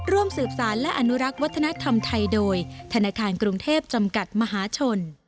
ร่วมสืบสารและอนุรักษ์วัฒนธรรมไทยโดยธนาคารกรุงเทพจำกัดมหาชน